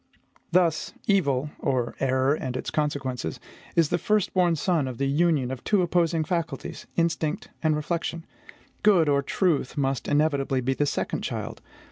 Thus, evil or error and its consequences is the firstborn son of the union of two opposing faculties, instinct and reflection; good, or truth, must inevitably be the second child.